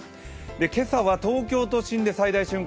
今朝は東京都心で最大瞬間